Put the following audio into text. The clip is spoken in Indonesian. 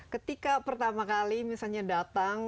ketika pertama kali misalnya datang